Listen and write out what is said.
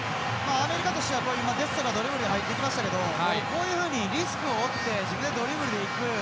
アメリカとしてはデストがドリブルで入っていきましたけどこういうふうにリスクを負って自分でドリブルでいく。